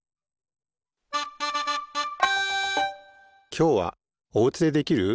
きょうはおうちでできる！